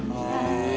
「へえ」